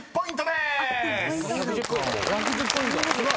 すごい。